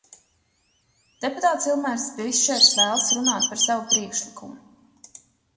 Deputāts Ilmārs Bišers vēlas runāt par savu priekšlikumu.